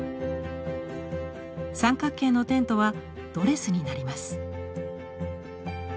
三角形のテントはドレスになります。